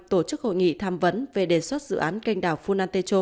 tổ chức hội nghị tham vấn về đề xuất dự án canh đảo funaneto